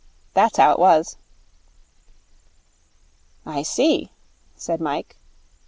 That's how it was.' 'I see,' said Mike.